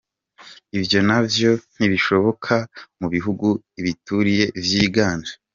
Ivyo navyo ntibishoboka mu bihugu ibiturire vyiganje.